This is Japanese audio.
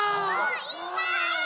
いいね！